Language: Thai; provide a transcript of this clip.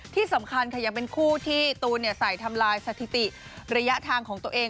ที่สำคัญค่ะยังเป็นคู่ที่ตูนใส่ทำลายสถิติระยะทางของตัวเอง